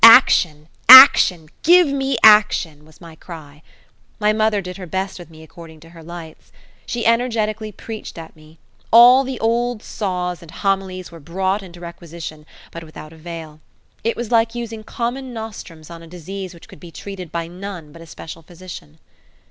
"Action! Action! Give me action!" was my cry. My mother did her best with me according to her lights. She energetically preached at me. All the old saws and homilies were brought into requisition, but without avail. It was like using common nostrums on a disease which could be treated by none but a special physician.